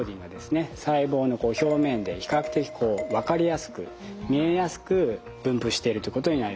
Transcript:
細胞の表面で比較的分かりやすく見えやすく分布してるということになります。